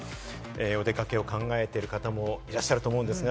お出かけを考えてる方もいらっしゃると思うんですが。